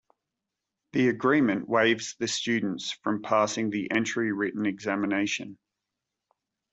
The agreement waives the students from passing the entry written examination.